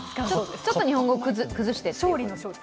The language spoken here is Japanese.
ちょっと日本語を崩して、と。